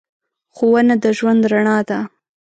ښوونه د ژوند رڼا ده.